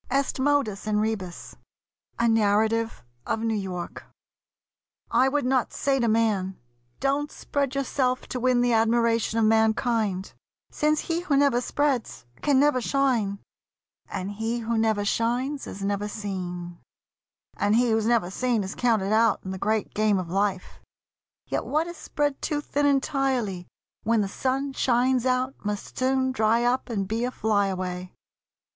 EST MODUS IN REBUS A NARRATIVE OF NEW YORK I would not say to man, "Don't spread yourself To win the admiration of mankind," Since he who never spreads can never shine, And he who never shines is never seen, And he who's never seen is counted out In the great game of life; yet what is spread Too thin entirely, when the sun shines out Must soon dry up and be a fly away.